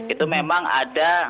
itu memang ada